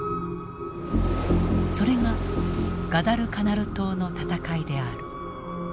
それがガダルカナル島の戦いである。